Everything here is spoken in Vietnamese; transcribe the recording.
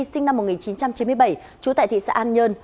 sinh năm một nghìn chín trăm chín mươi bảy trú tại thị xã an nhơn